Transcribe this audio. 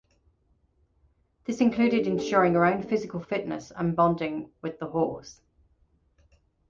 This included ensuring her own physical fitness and bonding with the horse.